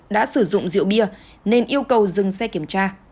đã sử dụng rượu bia nên yêu cầu dừng xe kiểm tra